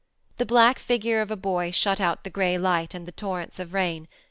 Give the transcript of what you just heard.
The black figure of a boy shut out the grey light and the torrents of rain.